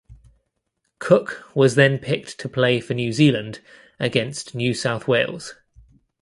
Cook was then picked to play for New Zealand against New South Wales.